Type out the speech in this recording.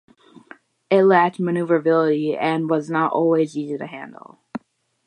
It lacked maneuverability and was not always easy to handle.